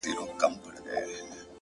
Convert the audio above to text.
• د څرمنو بد بویي ورته راتلله ,